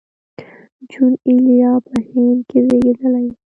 جون ایلیا په هند کې زېږېدلی و